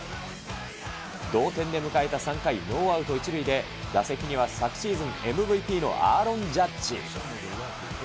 同点で迎えた３回、ノーアウト１塁で、打席には昨シーズンＭＶＰのアーロン・ジャッジ。